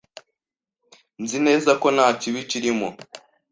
Nzi neza ko nta kibi kirimo.